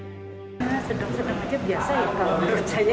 sedang sedang aja biasa ya kalau menurut saya